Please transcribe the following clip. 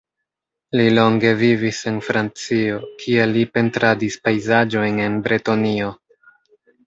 Li longe vivis en Francio, kie li pentradis pejzaĝojn en Bretonio.